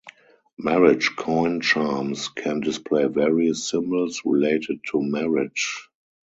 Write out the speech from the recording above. Marriage coin charms can display various symbols related to marriage.